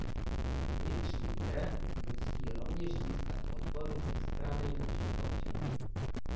Vnitřní trh musí rovněž získat podporu ze strany našich občanů.